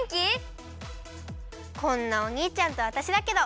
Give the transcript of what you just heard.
こんなおにいちゃんとわたしだけど。